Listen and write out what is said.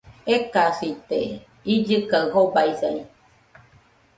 Ekasite, illɨ kaɨ jobaisai